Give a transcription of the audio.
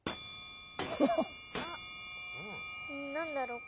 何だろう？